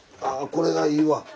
あこれがいいわ。